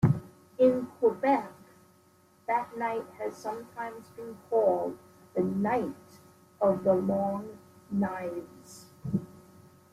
In Quebec, that night has sometimes been called the "Night of the Long Knives".